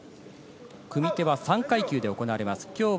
組手は３階級で行われます。